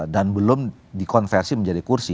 belum dikonversi menjadi kursi